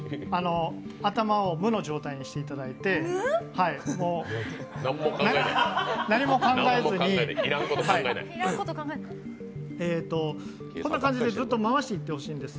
頭を無の状態にしていただいて、何も考えずに、こんな感じでずっと回していってほしいんです。